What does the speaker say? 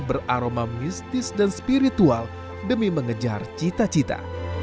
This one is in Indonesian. beraroma mistis dan spiritual demi mengejar cita cita